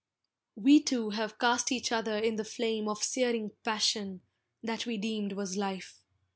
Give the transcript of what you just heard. We two have cast each other in the flame Of searing passion, that we deemed was life.